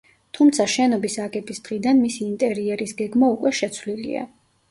თუმცა შენობის აგების დღიდან მისი ინტერიერის გეგმა უკვე შეცვლილია.